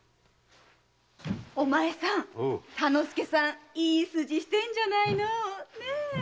お前さん田之助さんいい筋してるじゃないのねえ。